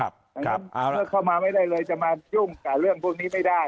เมื่อเข้ามาไม่ได้เลยจะมายุ่งกับเรื่องพวกนี้ไม่ได้